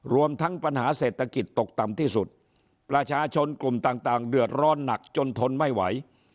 รวมทั้งปัญหาเศรษฐกิจตกต่ำที่สุดประชาชนกลุ่มต่างเดือดร้อนหนักจนทนไม่ไหว